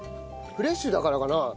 フレッシュだからかな？